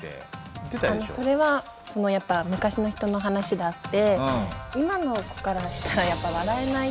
それはそのやっぱ昔の人の話であって今の子からしたらやっぱ笑えない。